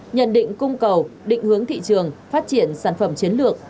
nhận định cung cầu định hướng thị trường phát triển sản phẩm chiến lược